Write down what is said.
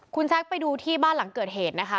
คุณแซคไปดูที่บ้านหลังเกิดเหตุนะคะ